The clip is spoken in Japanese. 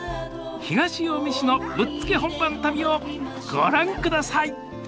東近江市のぶっつけ本番旅をご覧ください！